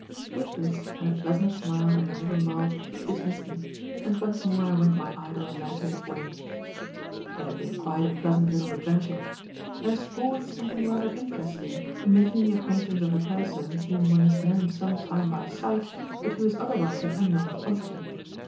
With this and a pleasant smile and a little nod, she dismissed me; and once more I went my idle and meditative way. It had been quite a pleasant little adventure. There is always something rather interesting in making the acquaintance of a person whom one has known some time by sight but who is otherwise an unknown quantity.